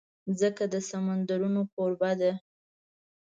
مځکه د سمندرونو کوربه ده.